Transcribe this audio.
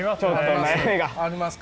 あります？